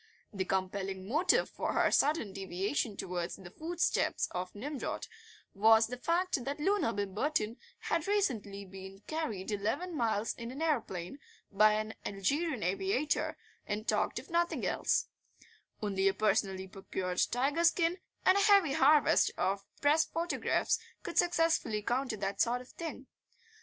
The compelling motive for her sudden deviation towards the footsteps of Nimrod was the fact that Loona Bimberton had recently been carried eleven miles in an aeroplane by an Algerian aviator, and talked of nothing else; only a personally procured tiger skin and a heavy harvest of Press photographs could successfully counter that sort of thing.